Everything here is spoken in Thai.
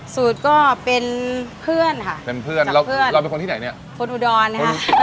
สูตรก็เป็นเพื่อนค่ะเป็นเพื่อนแล้วเพื่อนเราเป็นคนที่ไหนเนี่ยคนอุดรนะคะ